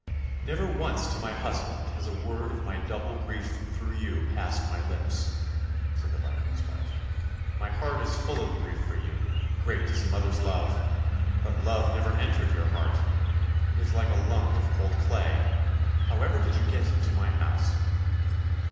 " Never once to my husband has a word of my double grief through you passed my lips," said the Viking's wife. " My heart is full of grief for you, great is a mother's love ! But love never entered your heart, it is like a lump of cold clay. How ever did you get into my house?